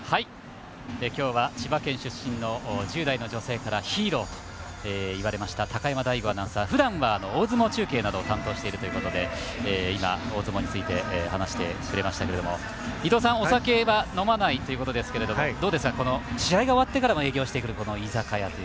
千葉県出身の１０代の女性からヒーローといわれました高山アナウンサー、ふだんは大相撲中継を担当しているということで今、大相撲について話してくれましたが伊東さん、お酒は飲まないということですが試合が終わってからも営業してる居酒屋。